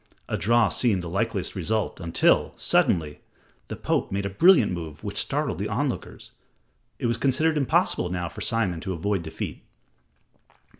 A draw seemed the likeliest result until, suddenly, the Pope made a brilliant move which startled the onlookers. It was considered impossible now for Simon to avoid defeat.